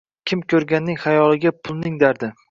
Kim koʼrganning xayolida pulning dardi